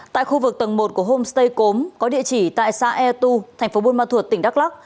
tại khu vực tầng một của homestay cốm có địa chỉ tại xã e tu tp bunma thuộc tỉnh đắk lắk